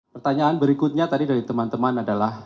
pertanyaan berikutnya tadi dari teman teman adalah